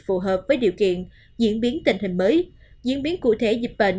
phù hợp với điều kiện diễn biến tình hình mới diễn biến cụ thể dịch bệnh